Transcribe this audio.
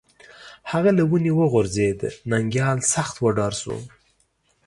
هغه له ونې وغورځېد، ننگيال سخت وډار شو